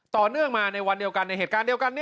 ต่อเนื่องมาในวันเดียวกันในเหตุการณ์เดียวกัน